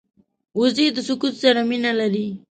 وزې د سکوت سره مینه لري